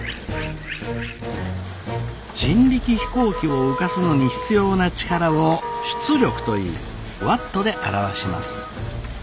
人力飛行機を浮かすのに必要な力を出力といいワットで表します。